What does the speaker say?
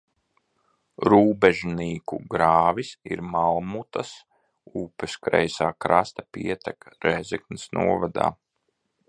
Rūbežnīku grāvis ir Malmutas upes kreisā krasta pieteka Rēzeknes novadā.